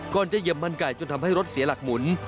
จะเหยียบมันไก่จนทำให้รถเสียหลักหมุน